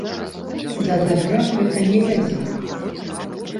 Да дабра гэта не давядзе.